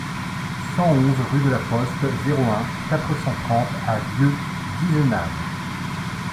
cent onze rue de la Poste, zéro un, quatre cent trente à Vieu-d'Izenave